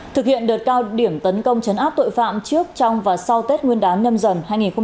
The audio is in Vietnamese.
thực hiện đợt cao điểm tấn công chấn áp tội phạm trước trong và sau tết nguyên đán nhâm dần hai nghìn hai mươi hai